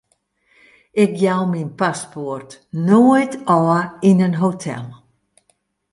Ik jou myn paspoart noait ôf yn in hotel.